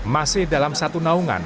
masih dalam satu naungan